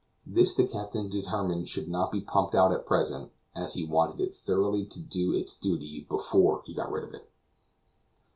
This the captain determined should not be pumped out at present, as he wanted it thoroughly to do its duty before he got rid of it.